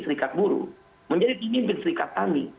serikat buruh menjadi pemimpin serikat tani